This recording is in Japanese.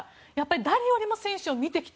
誰よりも選手を見てきた。